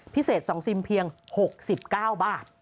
พิเศษ๒ซิมเพียง๖๙บาท